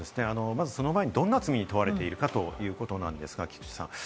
その前にどんな罪に問われているかということなんですが、菊地さん。